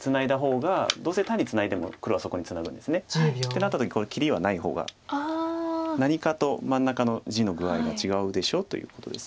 なった時にこの切りはない方が何かと真ん中の地の具合が違うでしょということです。